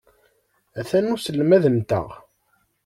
Atan uselmad-nteɣ.